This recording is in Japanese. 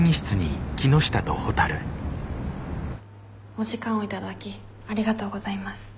お時間を頂きありがとうございます。